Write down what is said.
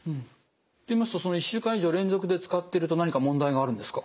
といいますと１週間以上連続で使っていると何か問題があるんですか？